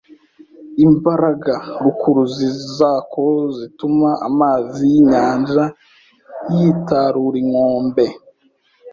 imbaraga rukuruzi zako zituma amazi y’inyanja yitarura inkombe